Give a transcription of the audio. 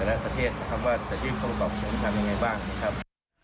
แต่ละประเทศแมนตกว่าจะยืนไปกองปลอบช่วยมันใจดีใจยังไงบ้างนะครับ